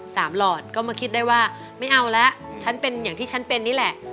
หลอดก็มาคิดได้ว่าไม่เอาแล้วฉันเป็นอย่างที่ฉันเป็นนี่แหละ